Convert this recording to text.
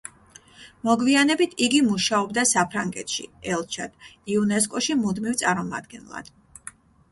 მოგვიანებით იგი მუშაობდა საფრანგეთში ელჩად, იუნესკოში მუდმივ წარმომადგენლად.